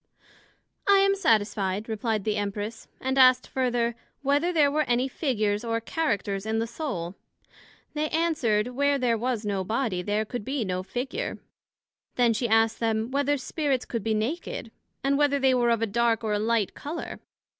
I am satisfied, replied the Empress; and asked further, Whether there were any Figures or Characters in the Soul? They answered, Where there was no Body, there could be no Figure. Then she asked them, Whether Spirits could be naked? and whether they were of a dark, or a light colour?